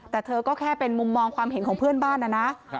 แต่เธอก็แค่เป็นมุมมองความเห็นของเพื่อนบ้านนะนะ